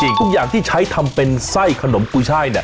อีกอย่างที่ใช้ทำเป็นไส้ขนมกุ้ยชัย